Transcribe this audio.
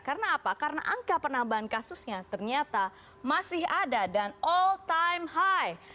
karena apa karena angka penambahan kasusnya ternyata masih ada dan all time high